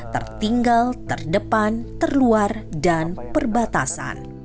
tertinggal terdepan terluar dan perbatasan